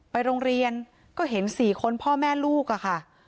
ไปโรงเรียนก็เห็น๔คนพ่อแม่ลูกอะค่ะ